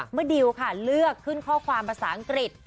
ดิวค่ะเลือกขึ้นข้อความภาษาอังกฤษ